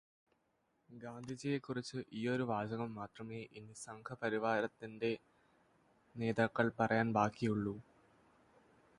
ഗാന്ധിജിയെക്കുറിച്ച് ഈയൊരു വാചകം മാത്രമേ ഇനി സംഘപരിവാരത്തിന്റെ നേതാക്കൾ പറയാൻ ബാക്കിയുള്ളൂ.